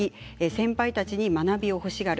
先輩たちに学びを欲しがる。